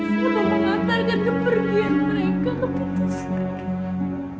saya mau mengantarkan kepergian mereka ke pintu surga